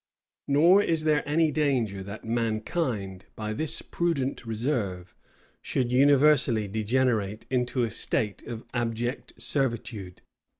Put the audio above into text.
Nor is there any danger that mankind, by this prudent reserve, should universally degenerate into a state of abject servitude.